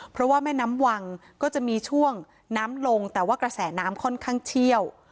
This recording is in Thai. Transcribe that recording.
เพราะว่าแม่น้ำวังก็จะมีช่วงน้ำลงแต่ว่ากระแสน้ำค่อนข้างเชี่ยว